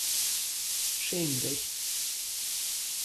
Schäm dich!